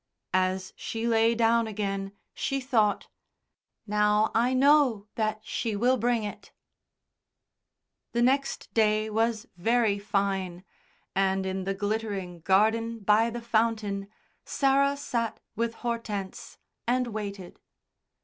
As she lay down again she thought: "Now I know that she will bring it." The next day was very fine, and in the glittering garden by the fountain, Sarah sat with Hortense, and waited.